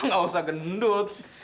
nggak usah gendut